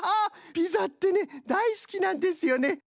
ピザってねだいすきなんですよね。